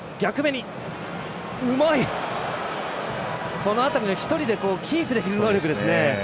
この辺りの１人でキープできる能力ですね。